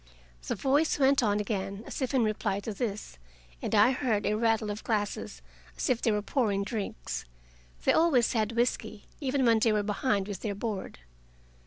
The voice went on again, as if in reply to this, and I heard a rattle of glasses, as if they were pouring drinks. They always had whisky, even when they were behind with their board.